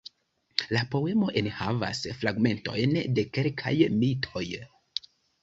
La poemo enhavas fragmentojn de kelkaj mitoj.